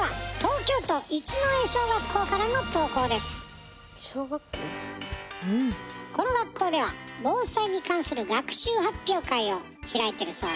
続いてはこの学校では防災に関する学習発表会を開いてるそうよ。